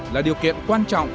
là điều kiện quan trọng